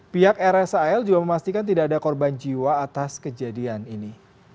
pihak rsal juga memastikan tidak ada korban jiwa atas kejadian ini